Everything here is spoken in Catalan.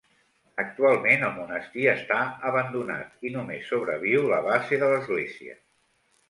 Actualment, el monestir està abandonat i només sobreviu la base de l'església.